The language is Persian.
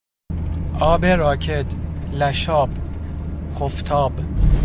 آب راکد، لشاب، خفتاب